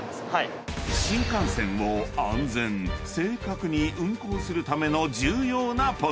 ［新幹線を安全・正確に運行するための重要なポスト］